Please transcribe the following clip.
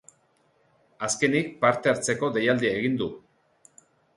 Azkenik, parte hartzeko deialdia egin du.